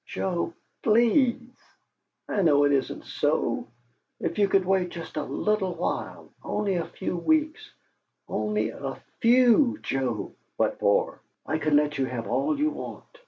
"Joe, PLEASE! I know it isn't so. If you could wait just a little while only a few weeks, only a FEW, Joe " "What for?" "I could let you have all you want.